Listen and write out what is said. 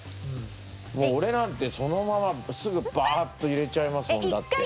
もう俺なんてそのまますぐバーッと入れちゃいますもんだって。